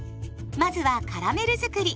まずはカラメルづくり。